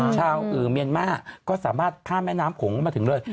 ชาวเมียนมาร์ก็สามารถข้ามแม่น้ำโขงมาถึงเลย